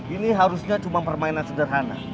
ini harusnya cuma permainan sederhana